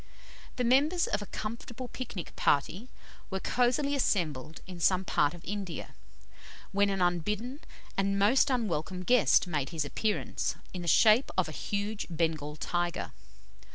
The members of a comfortable pic nic party were cosily assembled in some part of India, when an unbidden and most unwelcome guest made his appearance, in the shape of a huge Bengal tiger.